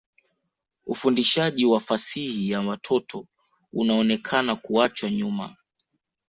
Ufundishaji wa fasihi ya watoto unaonekana kuachwa nyuma.